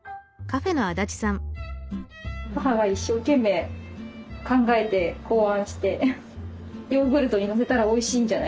母が一生懸命考えて考案してヨーグルトにのせたらおいしいんじゃないかって。